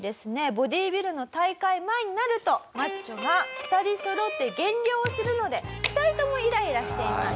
ボディビルの大会前になるとマッチョが２人そろって減量をするので２人ともイライラしています。